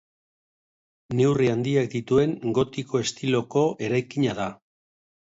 Neurri handiak dituen gotiko estiloko eraikina da.